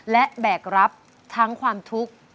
และแบกรับทั้งความทุกข์